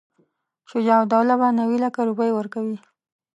شجاع الدوله به نیوي لکه روپۍ ورکوي.